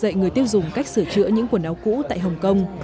dạy người tiêu dùng cách sửa chữa những quần áo cũ tại hồng kông